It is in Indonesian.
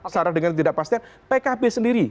sarah dengan ketidakpastian pkb sendiri